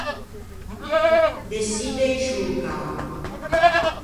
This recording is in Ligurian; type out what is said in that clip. Deçidde in sciô campo.